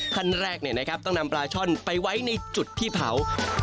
ขั้นแรกต้องนำปลาช่อนไปไว้ในจุดที่เผา